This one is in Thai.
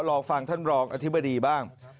ลองฟังท่านรองอธิบดีบ้าง